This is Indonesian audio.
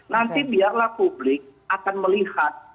nanti biarlah publik akan melihat